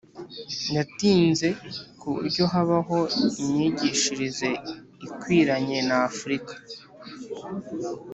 yatinze ku buryo habaho imyigishirize ikwiranye n afurika